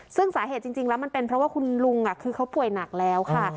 ซึ่งสาเหตุจริงแล้วมันเป็นเพราะว่าคุณลุงคือเขาป่วยหนักแล้วค่ะ